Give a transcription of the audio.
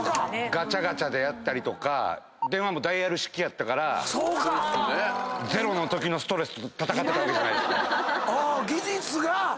ガチャガチャでやったりとか電話もダイヤル式やったから０のときのストレスと戦ってたわけじゃないですか。